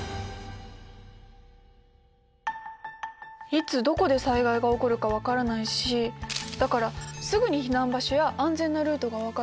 いつどこで災害が起こるか分からないしだからすぐに避難場所や安全なルートが分かるといいよね。